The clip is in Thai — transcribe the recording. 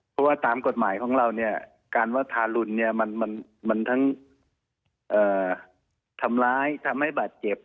เพราะว่าตามกฎหมายของเราเนี่ยการว่าทารุณเนี่ยมันทั้งทำร้ายทำให้บาดเจ็บ